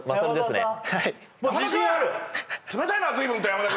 自信ある？